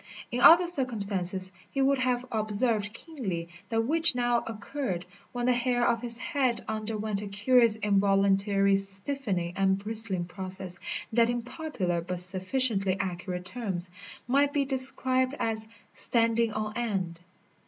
In other circumstances he would have observed keenly that which now occurred, when the hair of his head underwent a curious involuntary stiffening and bristling process that in popular but sufficiently accurate terms, might be described as "standing on end."